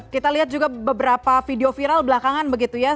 kita lihat juga beberapa video viral belakangan begitu ya